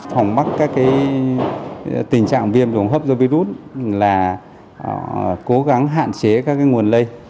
phòng bắt các cái tình trạng viêm đường hấp do virus là cố gắng hạn chế